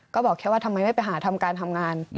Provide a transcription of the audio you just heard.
ก็บอกแค่ว่าทำไมไม่ไปหาทำการทำงาน